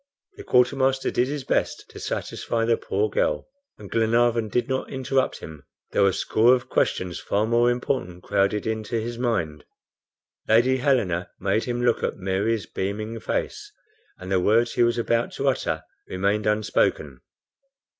The quartermaster did his best to satisfy the poor girl, and Glenarvan did not interrupt him, though a score of questions far more important crowded into his mind. Lady Helena made him look at Mary's beaming face, and the words he was about to utter remained unspoken.